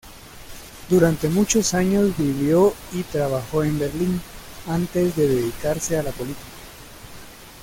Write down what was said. Durante muchos años vivió y trabajó en Berlín antes de dedicarse a la política.